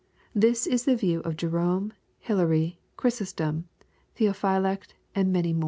This is the view of Jerome, Hilary, Chiysostom, Theophylact, and many more.